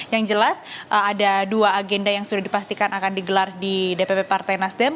yang jelas ada dua agenda yang sudah dipastikan akan digelar di dpp partai nasdem